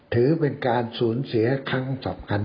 ถือเป็นการสูญเสียครั้งสำคัญ